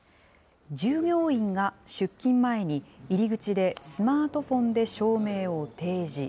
従業員が出勤前に入り口でスマートフォンで証明を提示。